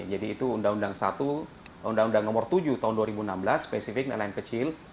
jadi itu undang undang nomor tujuh tahun dua ribu enam belas spesifik nelayan kecil